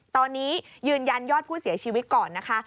ตอนนี้ยืนยันยอดผู้เสียชีวิตก่อนนะคะ